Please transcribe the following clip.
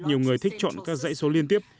nhiều người thích chọn các giải số liên tiếp